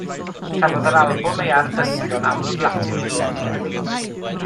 Cafodd yr albwm ei ardystio'n aml blatinwm ledled y byd.